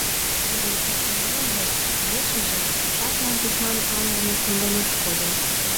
Тудын шочмо ялже, ешыже жаплан тушман айлыме кундемеш кодын.